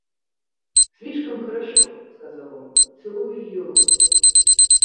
Слишком хорошо, — сказал он, целуя ее руку.